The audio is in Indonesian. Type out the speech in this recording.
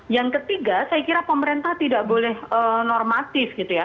yang ketiga saya kira pemerintah tidak boleh normatif gitu ya